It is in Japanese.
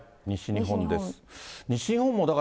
西日本です。